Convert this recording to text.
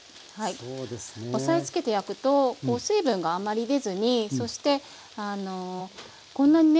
押さえつけて焼くと水分があんまり出ずにそしてこんなにね